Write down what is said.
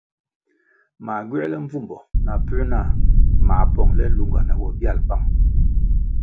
Mā gywēle mbvumbo na puē nah mā pongʼle lunga na bobyal bang.